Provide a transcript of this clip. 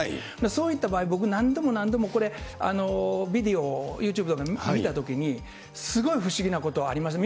そういった場合、僕、何度も何度も、これ、ビデオをユーチューブなどで見たときに、すごい不思議なこと、ありました。